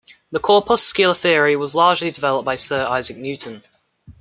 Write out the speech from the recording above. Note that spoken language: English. The corpuscular theory was largely developed by Sir Isaac Newton.